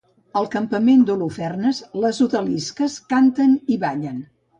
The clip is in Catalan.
Al campament d'Holofernes, les odalisques canten i ballen.